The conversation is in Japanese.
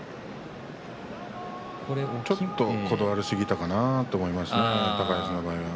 ちょっとこだわりすぎたかなと思いましたね、高安の場合は。